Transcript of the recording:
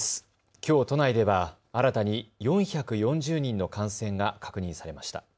きょう都内では新たに４４０人の感染が確認されました。